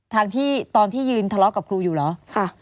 ทางที่ตอนที่ยืนทะเลาะกับครูอยู่เหรอ